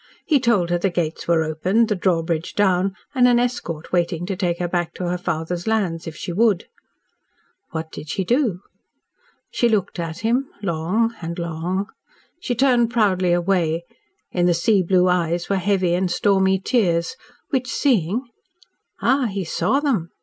He told her the gates were opened, the drawbridge down and an escort waiting to take her back to her father's lands, if she would." "What did she do?" "She looked at him long and long. She turned proudly away in the sea blue eyes were heavy and stormy tears, which seeing " "Ah, he saw them?"